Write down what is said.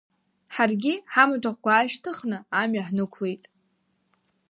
Ҳаргьы ҳамаҭәахәқәа аашьҭыхны амҩа ҳнықәлеит.